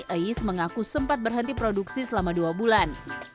ais mengaku sempat berhenti produksi selama dua bulan